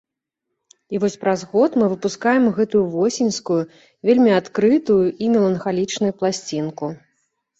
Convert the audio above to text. І вось праз год мы выпускаем гэтую восеньскую, вельмі адкрытую і меланхалічнай пласцінку.